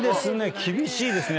厳しいですね。